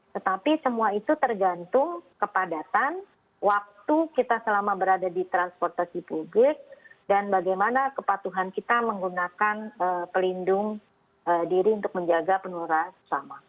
tetapi semua itu tergantung kepadatan waktu kita selama berada di transportasi publik dan bagaimana kepatuhan kita menggunakan pelindung diri untuk menjaga penularan sama